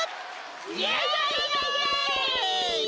イエイイエイイエイ！